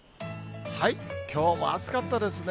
きょうも暑かったですね。